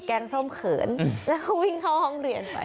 งส้มเขินแล้วก็วิ่งเข้าห้องเรียนไป